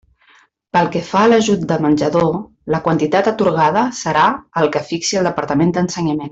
Pel que fa a l'ajut de menjador la quantitat atorgada serà el que fixi del Departament d'Ensenyament.